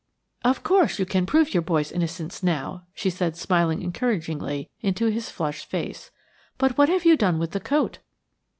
"Of course, you can prove your boy's innocence now," she said, smiling encouragingly into his flushed face. "But what have you done with the coat?"